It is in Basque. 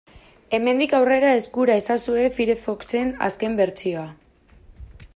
Hemendik aurrera eskura ezazue Firefoxen azken bertsioa.